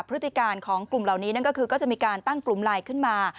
พฤติการของกลุ่มเหล่านี้นั่นก็คือก็จะมีการตั้งกลุ่มไลน์ขึ้นมา